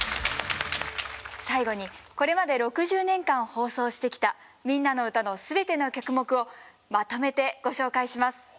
最後にこれまで６０年間放送してきた「みんなのうた」の全ての曲目をまとめてご紹介します。